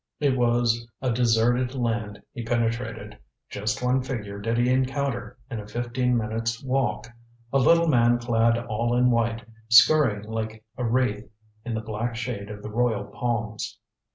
It was a deserted land he penetrated; just one figure did he encounter in a fifteen minutes' walk a little man clad all in white scurrying like a wraith in the black shade of the royal palms.